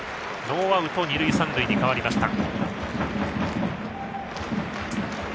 ノーアウト二塁三塁になりました。